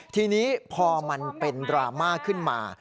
ทีนี้พอมันเป็นดราม่าขึ้นมา